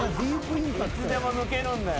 いつでも抜けるんだよ。